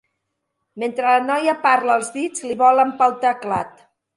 Mentre la noia parla els dits li volen pel teclat.